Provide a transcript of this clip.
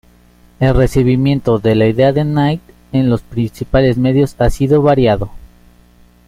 El recibimiento de la idea de Knight en los principales medios ha sido variado.